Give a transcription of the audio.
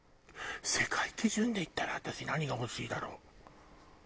世界基準でいったら私何が欲しいだろう？